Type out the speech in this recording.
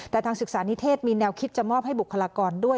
แต่ทางศึกษานิเทศมีแนวคิดจะมอบให้บุคลากรด้วย